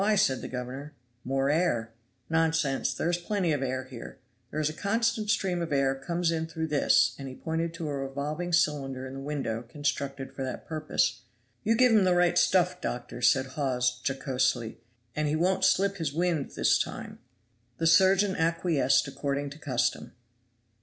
said the governor. "More air." "Nonsense, there is plenty of air here. There is a constant stream of air comes in through this," and he pointed to a revolving cylinder in the window constructed for that purpose. "You give him the right stuff, doctor," said Hawes jocosely, "and he won't slip his wind this time." The surgeon acquiesced according to custom.